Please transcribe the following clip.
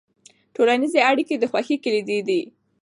ټولنیزې اړیکې د خوښۍ کلیدي دي.